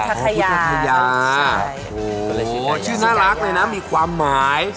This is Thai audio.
อ๋อบุฒษภัยาโห้ชื่อน่ารักเลยนะมีความหมาย